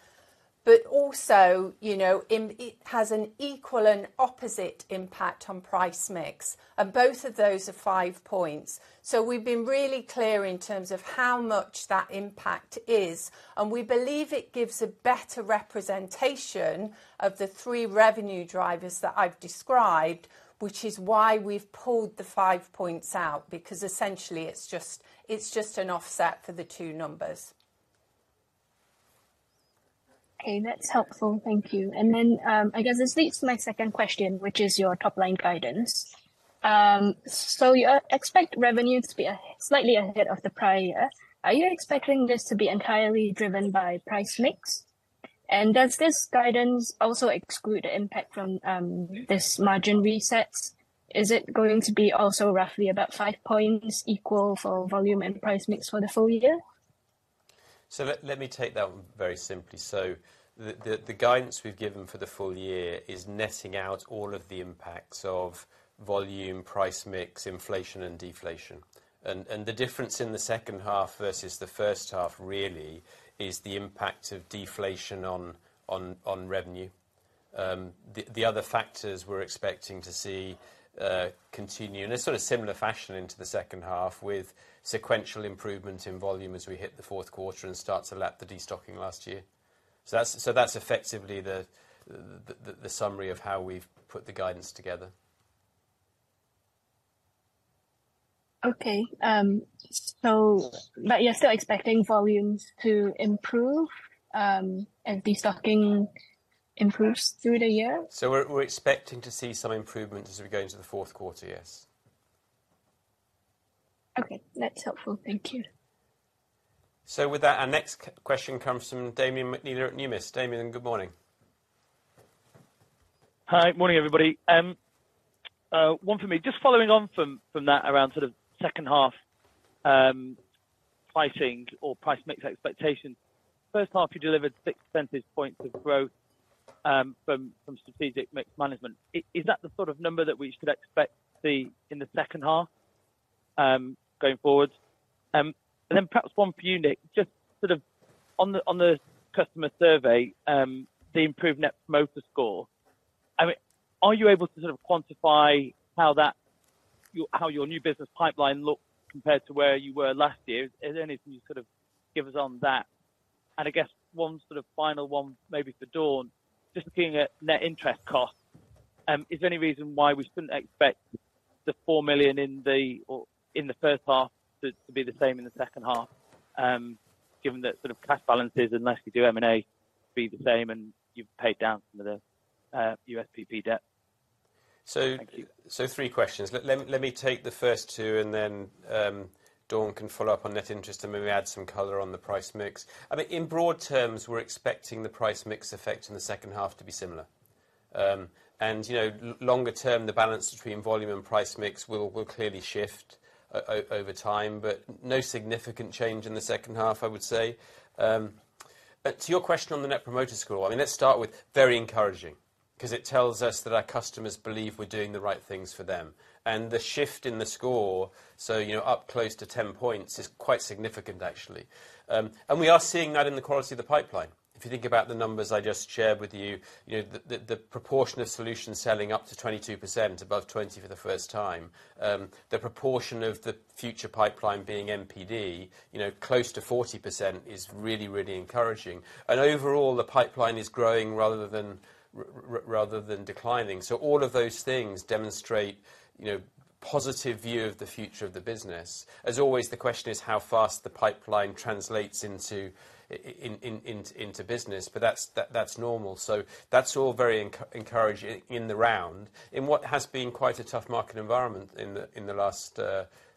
but also, you know, it has an equal and opposite impact on price mix, and both of those are five points. So we've been really clear in terms of how much that impact is, and we believe it gives a better representation of the three revenue drivers that I've described, which is why we've pulled the five points out. Because essentially, it's just an offset for the two numbers. Okay, that's helpful. Thank you. And then, I guess this leads to my second question, which is your top-line guidance. So you expect revenue to be a, slightly ahead of the prior year. Are you expecting this to be entirely driven by price mix? And does this guidance also exclude the impact from, this margin resets? Is it going to be also roughly about five points equal for volume and price mix for the full year? So let me take that one very simply. So the guidance we've given for the full year is netting out all of the impacts of volume, price mix, inflation and deflation. And the difference in the second half versus the first half really is the impact of deflation on revenue. The other factors we're expecting to see continue in a sort of similar fashion into the second half, with sequential improvement in volume as we hit the fourth quarter and start to lap the destocking last year. So that's effectively the summary of how we've put the guidance together. Okay. So, but you're still expecting volumes to improve, as destocking improves through the year? So we're expecting to see some improvement as we go into the fourth quarter, yes. Okay, that's helpful. Thank you. So with that, our next question comes from Damian McNeela at Numis. Damian, good morning. Hi, morning, everybody. One for me. Just following on from that around sort of second half pricing or price mix expectations. First half, you delivered six percentage points of growth from strategic mix management. Is that the sort of number that we should expect to see in the second half going forward? And then perhaps one for you, Nick, just sort of on the customer survey, the improved Net Promoter Score. I mean, are you able to sort of quantify how your new business pipeline looks compared to where you were last year? Is there anything you can sort of give us on that? I guess one sort of final one maybe for Dawn, just looking at net interest costs, is there any reason why we shouldn't expect the 4 million in the first half to be the same in the second half, given that sort of cash balances, unless we do M&A, be the same and you've paid down some of the USPP debt? So three questions. Let me take the first two, and then Dawn can follow up on net interest and maybe add some color on the price mix. I mean, in broad terms, we're expecting the price mix effect in the second half to be similar. And, you know, longer term, the balance between volume and price mix will clearly shift over time, but no significant change in the second half, I would say. But to your question on the Net Promoter Score, I mean, let's start with very encouraging, because it tells us that our customers believe we're doing the right things for them and the shift in the score, so, you know, up close to 10 points, is quite significant, actually, and we are seeing that in the quality of the pipeline. If you think about the numbers I just shared with you, you know, the proportion of solutions selling up to 22%, above 20 for the first time, the proportion of the future pipeline being MPD, you know, close to 40% is really, really encouraging. And overall, the pipeline is growing rather than declining. So all of those things demonstrate, you know, positive view of the future of the business. As always, the question is how fast the pipeline translates into business, but that's normal. So that's all very encouraging in the round, in what has been quite a tough market environment in the last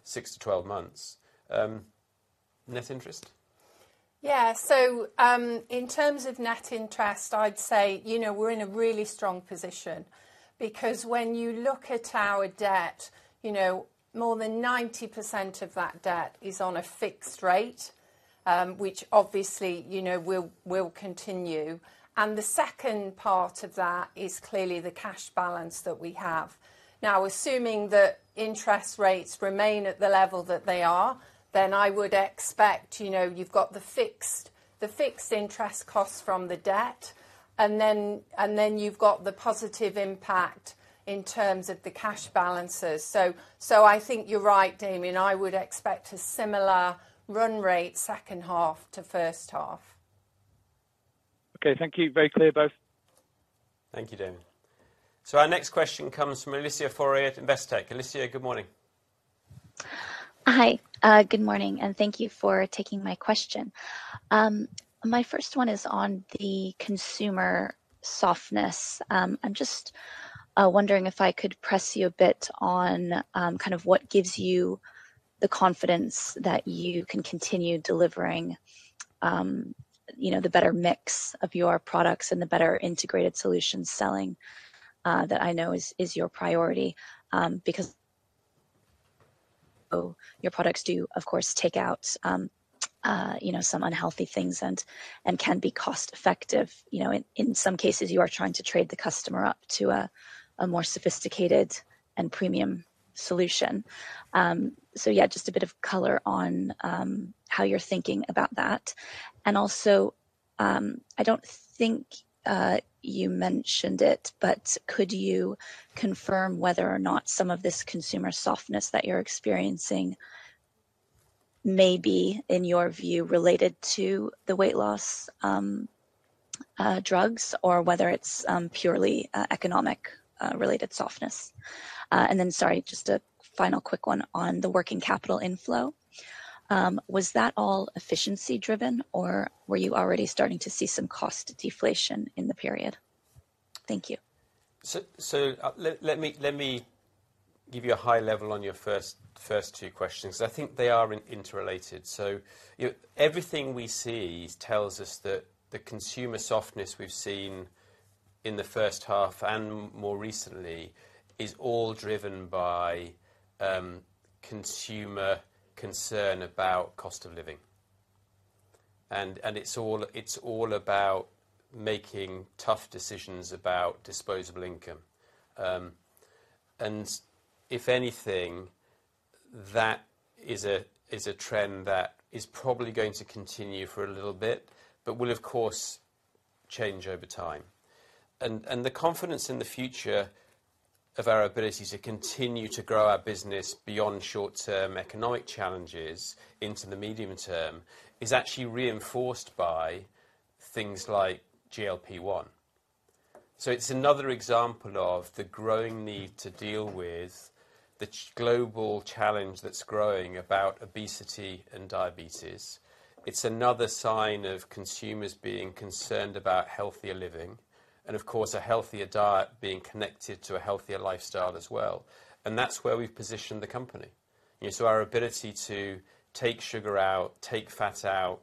6-12 months. Net interest? Yeah. So, in terms of net interest, I'd say, you know, we're in a really strong position, because when you look at our debt, you know, more than 90% of that debt is on a fixed rate, which obviously, you know, will continue. And the second part of that is clearly the cash balance that we have. Now, assuming that interest rates remain at the level that they are, then I would expect, you know, you've got the fixed interest costs from the debt, and then you've got the positive impact in terms of the cash balances. So I think you're right, Damian. I would expect a similar run rate second half to first half. Okay, thank you. Very clear, both. Thank you, Damian. So our next question comes from Alicia Forry at Investec. Alicia, good morning. Hi, good morning, and thank you for taking my question. My first one is on the consumer softness. I'm just wondering if I could press you a bit on, kind of what gives you the confidence that you can continue delivering, you know, the better mix of your products and the better integrated Solutions selling, that I know is your priority. Because your products do, of course, take out, you know, some unhealthy things and can be cost effective. You know, in some cases, you are trying to trade the customer up to a more sophisticated and premium solution. So yeah, just a bit of color on, how you're thinking about that. I don't think you mentioned it, but could you confirm whether or not some of this consumer softness that you're experiencing may be, in your view, related to the weight loss drugs, or whether it's purely economic related softness? And then, sorry, just a final quick one on the working capital inflow. Was that all efficiency driven, or were you already starting to see some cost deflation in the period? Thank you. Let me give you a high level on your first two questions. I think they are interrelated. You know, everything we see tells us that the consumer softness we've seen in the first half and more recently is all driven by consumer concern about cost of living and it's all about making tough decisions about disposable income. If anything, that is a trend that is probably going to continue for a little bit, but will, of course, change over time. The confidence in the future of our ability to continue to grow our business beyond short-term economic challenges into the medium term is actually reinforced by things like GLP-1. It's another example of the growing need to deal with the global challenge that's growing about obesity and diabetes. It's another sign of consumers being concerned about healthier living, and of course, a healthier diet being connected to a healthier lifestyle as well, and that's where we've positioned the company. So, our ability to take sugar out, take fat out,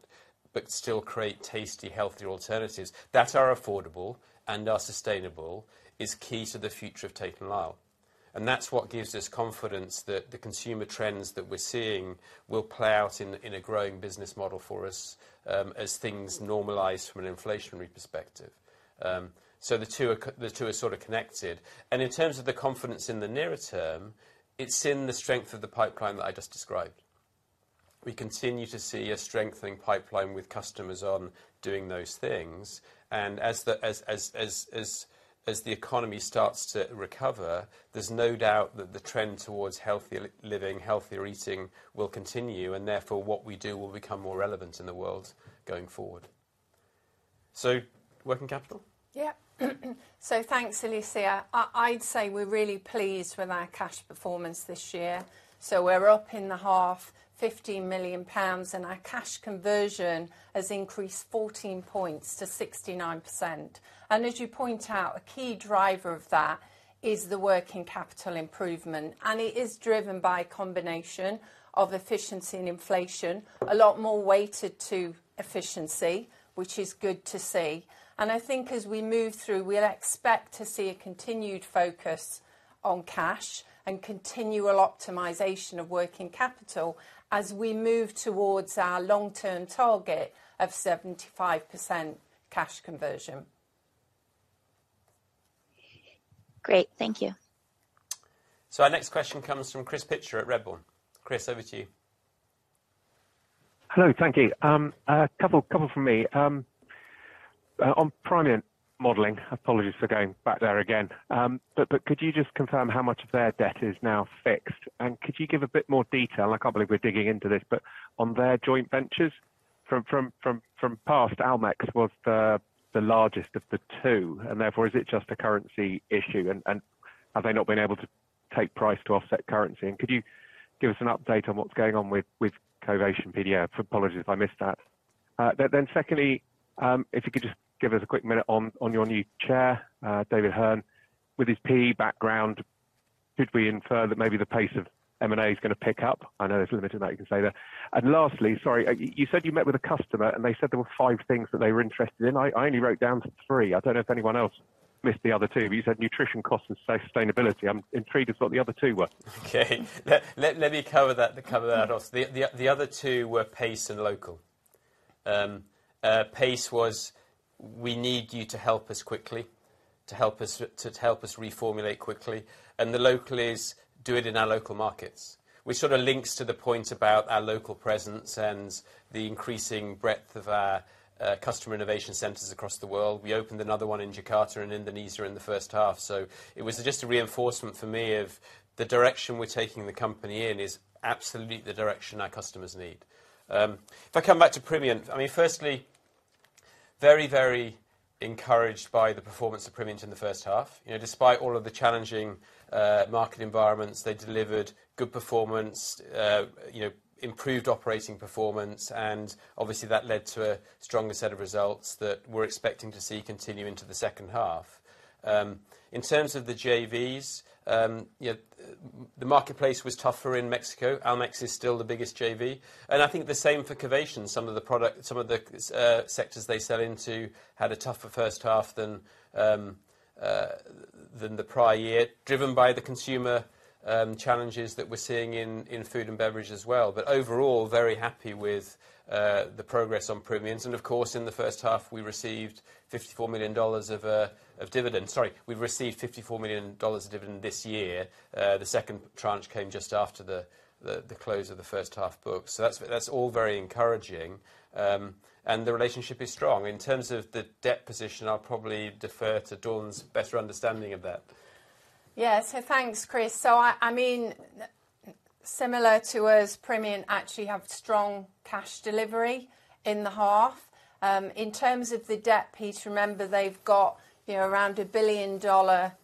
but still create tasty, healthier alternatives that are affordable and are sustainable, is key to the future of Tate & Lyle. And that's what gives us confidence that the consumer trends that we're seeing will play out in a growing business model for us, as things normalize from an inflationary perspective. So, the two are the two are sort of connected. And in terms of the confidence in the nearer term, it's in the strength of the pipeline that I just described. We continue to see a strengthening pipeline with customers on doing those things, and as the economy starts to recover, there's no doubt that the trend towards healthier living, healthier eating will continue, and therefore, what we do will become more relevant in the world going forward. So working capital? Yeah. So thanks, Alicia. I'd say we're really pleased with our cash performance this year. We're up in the half 50 million pounds, and our cash conversion has increased 14 points to 69%. As you point out, a key driver of that is the working capital improvement, and it is driven by a combination of efficiency and inflation, a lot more weighted to efficiency, which is good to see. I think as we move through, we'll expect to see a continued focus on cash and continual optimization of working capital as we move towards our long-term target of 75% cash conversion. Great. Thank you. Our next question comes from Chris Pitcher at Redburn. Chris, over to you. Hello, thank you. A couple from me. On Primient modeling, apologies for going back there again. But could you just confirm how much of their debt is now fixed? And could you give a bit more detail, I can't believe we're digging into this, but on their joint ventures from past, Almex was the largest of the two, and therefore, is it just a currency issue, and have they not been able to take price to offset currency? And could you give us an update on what's going on with Covation PDO? Apologies if I missed that. But then secondly, if you could just give us a quick minute on your new chair, David Hearn. With his PE background, could we infer that maybe the pace of M&A is going to pick up? I know there's limited that you can say there. Lastly, sorry, you said you met with a customer, and they said there were five things that they were interested in. I only wrote down three. I don't know if anyone else missed the other two, but you said nutrition costs and sustainability. I'm intrigued as what the other two were. Okay. Let me cover that off. The other two were pace and local. Pace was, we need you to help us quickly to help us reformulate quickly, and the local is, do it in our local markets, which sort of links to the point about our local presence and the increasing breadth of our customer innovation centers across the world. We opened another one in Jakarta, Indonesia, in the first half. So it was just a reinforcement for me of the direction we're taking the company in is absolutely the direction our customers need. If I come back to Primient, I mean, firstly, very, very encouraged by the performance of Primient in the first half. You know, despite all of the challenging market environments, they delivered good performance, you know, improved operating performance, and obviously, that led to a stronger set of results that we're expecting to see continue into the second half. In terms of the JVs, you know, the marketplace was tougher in Mexico. Almex is still the biggest JV, and I think the same for Covation. Some of the sectors they sell into had a tougher first half than the prior year, driven by the consumer challenges that we're seeing in food and beverage as well. But overall, very happy with the progress on Primient. And of course, in the first half, we received $54 million of dividends. Sorry, we've received $54 million dividend this year. The second tranche came just after the close of the first half book. So that's all very encouraging, and the relationship is strong. In terms of the debt position, I'll probably defer to Dawn's better understanding of that. Yeah. So thanks, Chris. So I mean, similar to us, Primient actually have strong cash delivery in the half. In terms of the debt, please remember, they've got, you know, around a $1 billion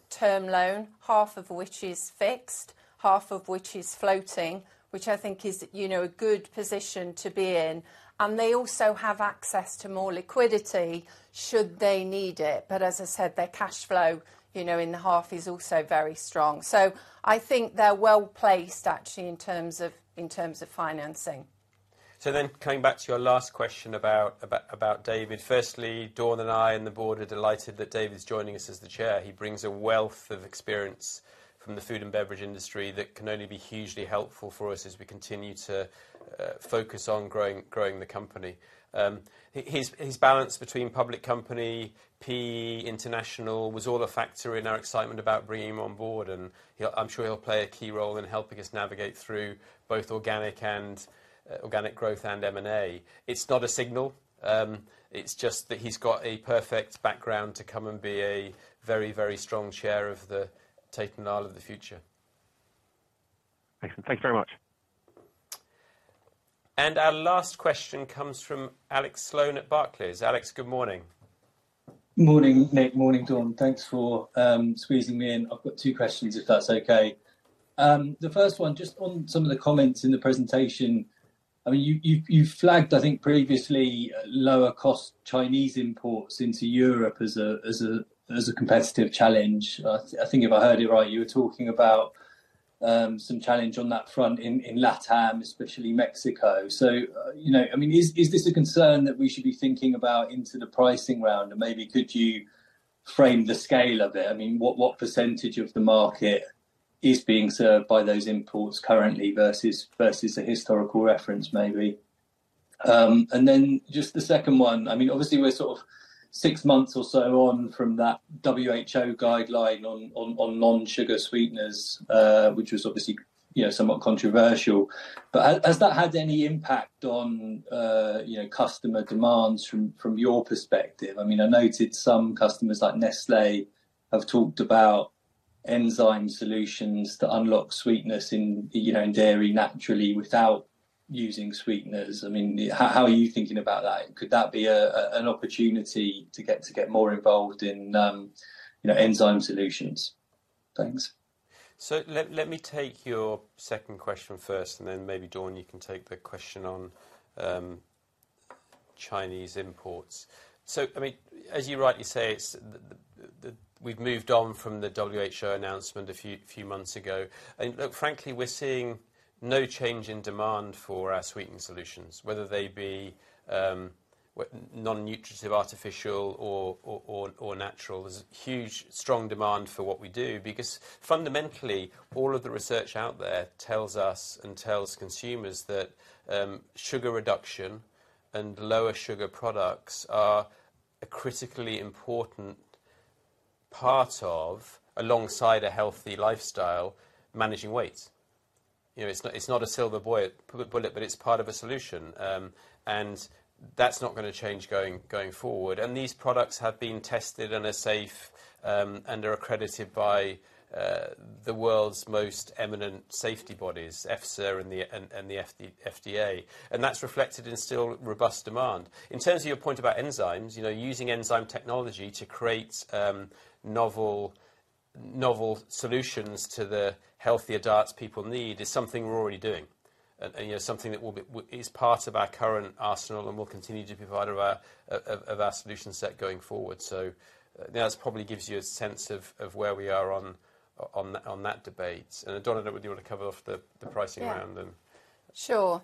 term loan, half of which is fixed, half of which is floating, which I think is, you know, a good position to be in. And they also have access to more liquidity, should they need it. But as I said, their cash flow, you know, in the half, is also very strong. So I think they're well-placed, actually, in terms of financing. So then, coming back to your last question about David. Firstly, Dawn and I, and the board are delighted that David's joining us as the chair. He brings a wealth of experience from the food and beverage industry that can only be hugely helpful for us as we continue to focus on growing the company. His balance between public company, PE International, was all a factor in our excitement about bringing him on board, and he, I'm sure he'll play a key role in helping us navigate through both organic and inorganic growth and M&A. It's not a signal, it's just that he's got a perfect background to come and be a very, very strong chair of the Tate & Lyle of the future. Excellent. Thank you very much. Our last question comes from Alex Sloane at Barclays. Alex, good morning. Morning, Nick. Morning, Dawn. Thanks for squeezing me in. I've got two questions, if that's okay? The first one, just on some of the comments in the presentation. I mean, you flagged, I think, previously, lower cost Chinese imports into Europe as a competitive challenge. I think if I heard you right, you were talking about some challenge on that front in LatAm, especially Mexico. So, you know, I mean, is this a concern that we should be thinking about into the pricing round? And maybe could you frame the scale of it? I mean, what percentage of the market is being served by those imports currently versus a historical reference, maybe? And then just the second one, I mean, obviously, we're sort of six months or so on from that WHO guideline on non-sugar sweeteners, which was obviously, you know, somewhat controversial. But has that had any impact on, you know, customer demands from your perspective? I mean, I noted some customers like Nestlé have talked about enzyme solutions that unlock sweetness in, you know, in dairy naturally, without using sweeteners. I mean, how are you thinking about that? Could that be an opportunity to get more involved in, you know, enzyme solutions? Thanks. So let me take your second question first, and then maybe, Dawn, you can take the question on Chinese imports. So, I mean, as you rightly say, it's the, we've moved on from the WHO announcement a few months ago. And, look, frankly, we're seeing no change in demand for our sweetening solutions, whether they be, well, non-nutritive, artificial or natural. There's a huge, strong demand for what we do. Because fundamentally, all of the research out there tells us and tells consumers that sugar reduction and lower sugar products are a critically important part of, alongside a healthy lifestyle, managing weight. You know, it's not a silver bullet, but it's part of a solution and that's not going to change going forward. These products have been tested and are safe and are accredited by the world's most eminent safety bodies, EFSA and the FDA. That's reflected in still robust demand. In terms of your point about enzymes, you know, using enzyme technology to create novel solutions to the healthier diets people need, is something we're already doing and, you know, something that is part of our current arsenal and will continue to be part of our solution set going forward. So now this probably gives you a sense of where we are on that debate. Dawn, I don't know whether you want to cover off the pricing round then? Yeah. Sure.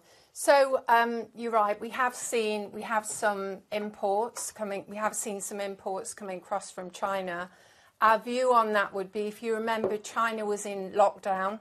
You're right, we have seen some imports coming across from China. Our view on that would be if you remember, China was in lockdown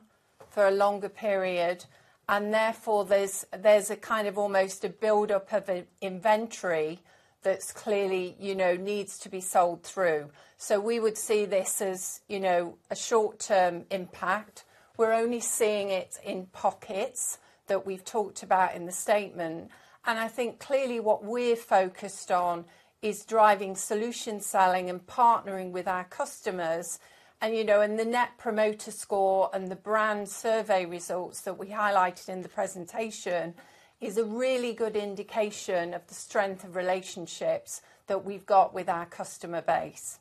for a longer period, and therefore there's a kind of almost a buildup of inventory that's clearly, you know, needs to be sold through. So we would see this as, you know, a short-term impact. We're only seeing it in pockets that we've talked about in the statement. And I think clearly what we're focused on is driving solution selling and partnering with our customers. And, you know, and the Net Promoter Score and the brand survey results that we highlighted in the presentation is a really good indication of the strength of relationships that we've got with our customer base.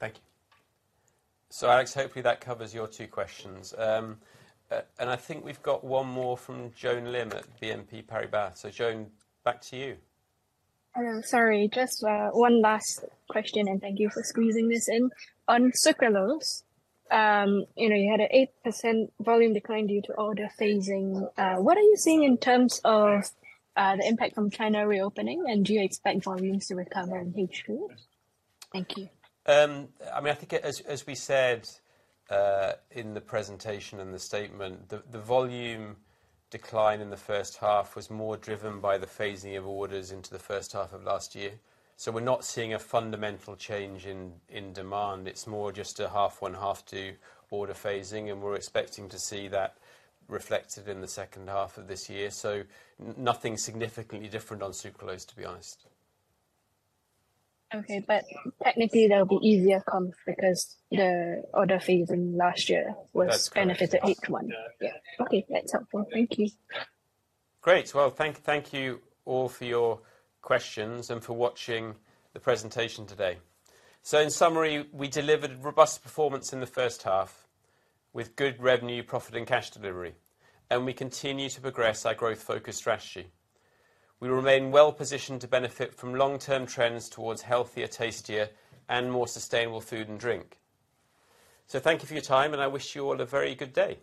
Thank you. So Alex, hopefully that covers your two questions. I think we've got one more from Joan Lim at BNP Paribas. So Joan, back to you. Sorry, just, one last question, and thank you for squeezing this in. On sucralose, you know, you had an 8% volume decline due to order phasing. What are you seeing in terms of, the impact from China reopening, and do you expect volumes to recover in H2? Thank you. I mean, I think as we said in the presentation and the statement, the volume decline in the first half was more driven by the phasing of orders into the first half of last year. So we're not seeing a fundamental change in demand. It's more just a half one, half two order phasing, and we're expecting to see that reflected in the second half of this year. So nothing significantly different on sucralose, to be honest. Okay, but technically, that'll be easier comp because the order phasing last year was- That's correct. Kind of the eighth one. Yeah. Okay, that's helpful. Thank you. Great. Well, thank you all for your questions and for watching the presentation today. So in summary, we delivered a robust performance in the first half, with good revenue, profit, and cash delivery, and we continue to progress our growth focus strategy. We remain well-positioned to benefit from long-term trends towards healthier, tastier, and more sustainable food and drink. So thank you for your time, and I wish you all a very good day.